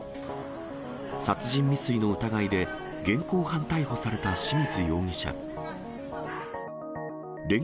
殺人未遂の疑いで現行犯逮捕された清水容疑者。